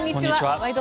「ワイド！